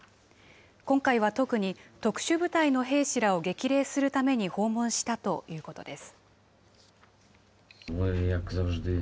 今回は特に、特殊部隊の兵士らを激励するために訪問したということです。